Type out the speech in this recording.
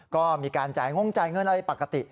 ก็มีการจ่ายงงจ่ายเงินอะไรปกติ